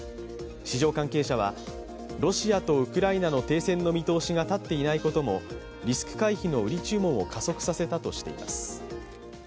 市場関係者は、ロシアとウクライナの停戦の見通しが立っていないこともリスク回避の売り注文を加速させたとしています。